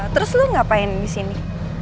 terus lo ngapain disini